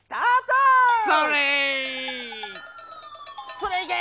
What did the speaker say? それいけ！